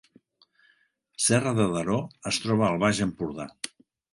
Serra de Daró es troba al Baix Empordà